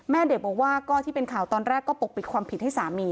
แม่เด็กบอกว่าก็ที่เป็นข่าวตอนแรกก็ปกปิดความผิดให้สามี